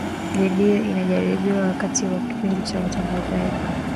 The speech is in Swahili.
redio inajaribiwa wakati wa kipindi cha utangazaji